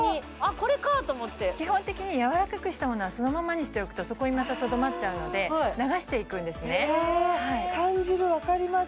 これかと思って基本的に柔らかくしたものはそのままにしておくとそこにまたとどまっちゃうので流していくんですね感じるわかります